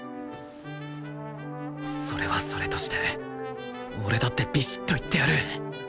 それはそれとして俺だってビシッと言ってやる